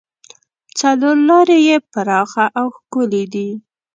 څلور لارې یې پراخه او ښکلې دي.